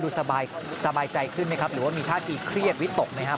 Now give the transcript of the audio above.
สบายใจขึ้นไหมครับหรือว่ามีท่าทีเครียดวิตกไหมครับ